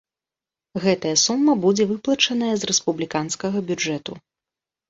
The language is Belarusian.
Гэтая сума будзе выплачаная з рэспубліканскага бюджэту.